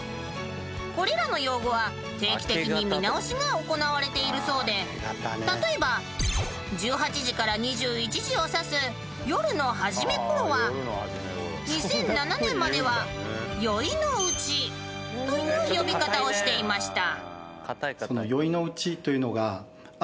［これらの用語は定期的に見直しが行われているそうで例えば１８時から２１時を指す「夜のはじめ頃」は２００７年までは「宵のうち」という呼び方をしていました］